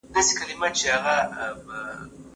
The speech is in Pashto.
د سړېدو وخت هم پر کیفیت اغېز لري.